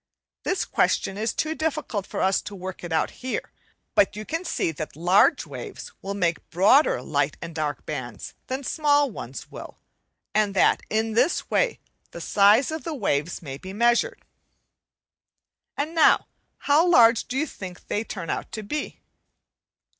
This question is too difficult for us to work it out here, but you can see that large waves will make broader light and dark bands than small ones will, and that in this way the size of the waves may be measured. And now how large do you think they turn out to be?